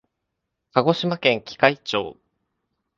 鹿児島県喜界町